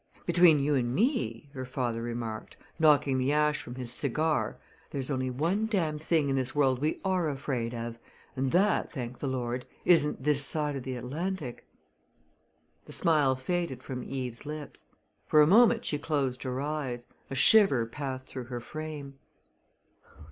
"Between you and me," her father remarked, knocking the ash from his cigar, "there's only one darned thing in this world we are afraid of and that, thank the Lord, isn't this side of the Atlantic!" The smile faded from Eve's lips. For a moment she closed her eyes a shiver passed through her frame.